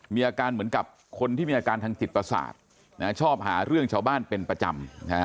มีอาการเหมือนกับคนที่มีอาการทางจิตประสาทชอบหาเรื่องชาวบ้านเป็นประจำ